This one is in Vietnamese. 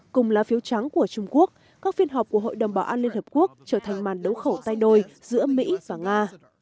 các phiên họp của hội đồng bảo an liên hợp quốc trở thành màn đấu khẩu tay đôi giữa mỹ và nga